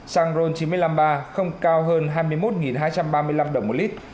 xăng ron chín mươi năm a không cao hơn hai mươi một hai trăm ba mươi năm đồng một lít